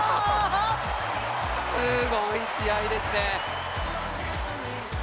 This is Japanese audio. すごい試合ですね。